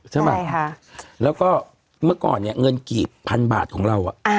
ใช่ไหมใช่ค่ะแล้วก็เมื่อก่อนเนี่ยเงินกี่พันบาทของเรา